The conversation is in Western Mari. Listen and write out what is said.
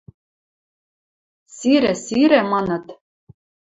Сирӹ, сирӹ... – маныт.